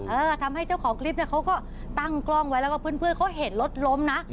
เออทำให้เจ้าของคลิปเนี่ยเขาก็ตั้งกล้องไว้แล้วก็เพื่อนเขาเห็นรถล้มนะ